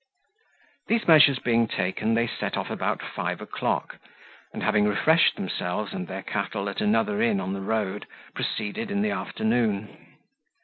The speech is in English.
These measures being taken, they set out about five o'clock, and having refreshed themselves and their cattle at another inn on the road, proceeded in the afternoon.